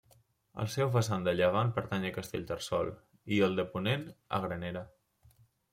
El seu vessant de llevant pertany a Castellterçol, i el de ponent, a Granera.